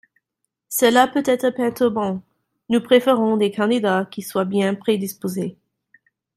Cela peut être perturbant, nous préférons des candidats qui soient bien prédisposés